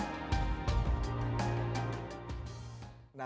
tim liputan cnn indonesia